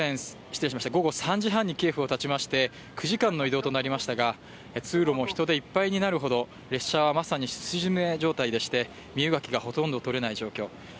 午後３時半にキエフをたちまして９時間の移動となりましたが通路も人でいっぱいになるほど列車はまさにすし詰め状態でして、身動きがほとんどとれない状況。